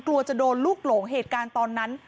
กลัวจะโดนลูกหลงเหตุการณ์ตอนนั้น